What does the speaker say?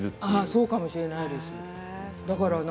そうかもしれないです。